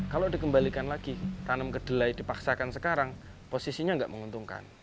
kalau dikembalikan lagi tanam kedelai dipaksakan sekarang posisinya nggak menguntungkan